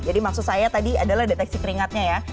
jadi maksud saya tadi adalah deteksi keringatnya ya